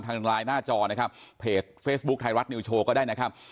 ทางไลน์หน้าจอนะครับเพจเฟซบุ๊คไทยรัฐนิวโชว์ก็ได้นะครับ